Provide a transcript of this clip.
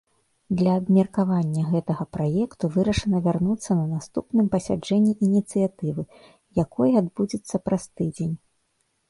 Да абмеркавання гэтага праекту вырашана вярнуцца на наступным пасяджэнні ініцыятывы, якае адбудзецца праз тыдзень.